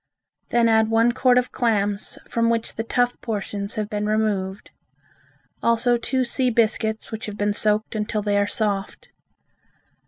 Then add one quart of clams from which the tough portions have been removed. Also two sea biscuits which have been soaked until they are soft.